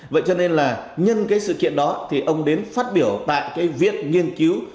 vậy cho nên là nhân cái sự kiện đó thì ông đến phát biểu tại cái viện nghiên cứu